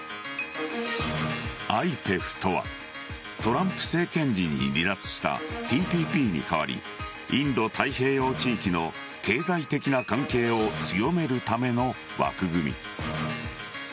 ＩＰＥＦとはトランプ政権時に離脱したＴＰＰに代わりインド太平洋地域の経済的な関係を強めるための枠組み。